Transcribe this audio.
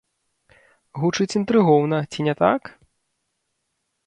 Гучыць інтрыгоўна, ці не так?